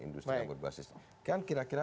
industri yang berbasis kan kira kira